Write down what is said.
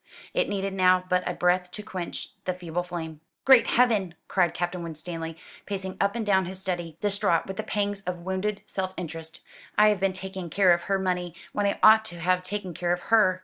It needed now but a breath to quench the feeble flame. "Great Heaven!" cried Captain Winstanley, pacing up and down his study, distraught with the pangs of wounded self interest; "I have been taking care of her money, when I ought to have taken care of her.